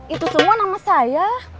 itu semua nama saya